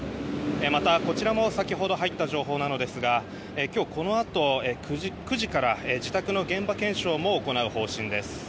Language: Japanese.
また、こちらも先ほど入った情報なのですが今日、このあと９時から自宅の現場検証も行う方針です。